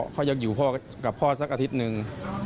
เขายังอยู่พ่อกับพ่อสักอาทิตย์หนึ่ง